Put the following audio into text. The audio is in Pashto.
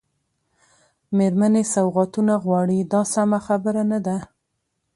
مېرمنې سوغاتونه غواړي دا سمه خبره نه ده.